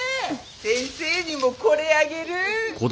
先生にもこれあげる。